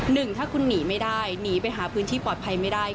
หนึ่งถ้าคุณหนีไม่ได้หนีไปหาพื้นที่ปลอดภัยไม่ได้